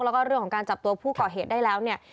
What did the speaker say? แล้วก็เรื่องของการจับตัวผู้ก่อเหตุได้แล้วเนี่ย